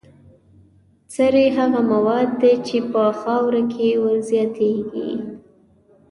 سرې هغه مواد دي چې په خاوره کې ور زیاتیږي.